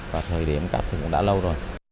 và thời điểm cắt thì cũng đã lâu rồi